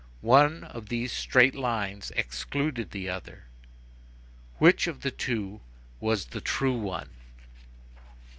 One of these straight lines excluded the other. Which of the two was the true one?